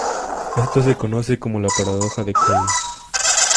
Esto se conoce como la paradoja de Cole.